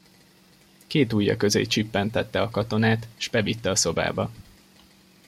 Két ujja közé csippentette a katonát, s bevitte a szobába.